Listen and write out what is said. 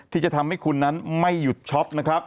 ที่จะทำให้คุณนั้นไม่หยุดช็อปนะครับ